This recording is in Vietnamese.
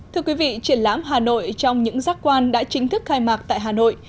thưa quý vị triển lãm hà nội trong những giác quan đã chính thức khai mạc tại hà nội